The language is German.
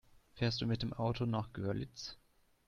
Fährst du mit dem Auto nach Görlitz?